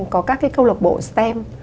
có các cái câu lạc bộ stem